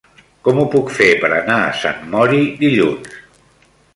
Com ho puc fer per anar a Sant Mori dilluns?